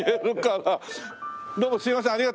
どうもすみません。